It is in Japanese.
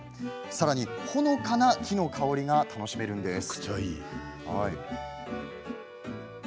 さらに、ほのかな木の香りが楽しめるんです。